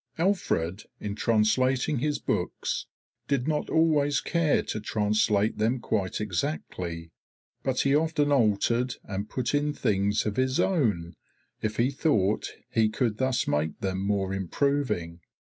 Alfred, in translating his books, did not always care to translate them quite exactly, but he often altered and put in things of his own, if he thought he could thus make them more improving.